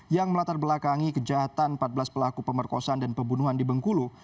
yang melatar belakangi kejahatan empat belas pelaku pemerkosaan dan pembunuhan di bengkulu